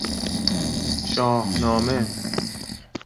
شاهنامه